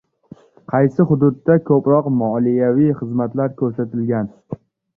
Qaysi hududda ko‘proq moliyaviy xizmatlar ko‘rsatilgan?